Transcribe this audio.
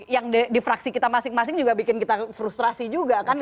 yang di fraksi kita masing masing juga bikin kita frustrasi juga kan